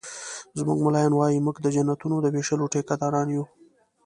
زموږ ملایان وایي مونږ د جنتونو د ویشلو ټيکه داران یو